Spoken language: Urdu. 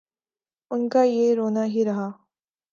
ان کا یہ رونا ہی رہا۔